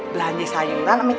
belanja sayuran sama ikan ye